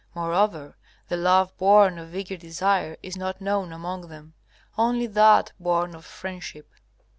Moreover, the love born of eager desire is not known among them; only that born of friendship.